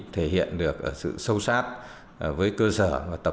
thể hiện được sự sâu sát với cơ sở